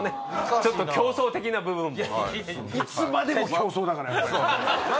ちょっと競争的な部分も。